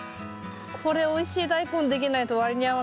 これおいしいダイコンできないと割に合わないぞ。